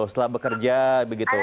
setelah bekerja begitu